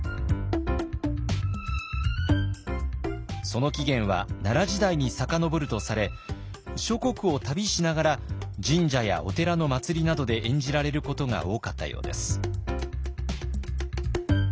その起源は奈良時代に遡るとされ諸国を旅しながら神社やお寺の祭りなどで演じられることが多かったようです。